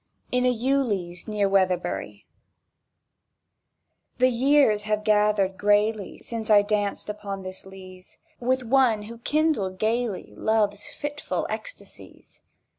IN A EWELEAZE NEAR WEATHERBURY THE years have gathered grayly Since I danced upon this leaze With one who kindled gaily Love's fitful ecstasies!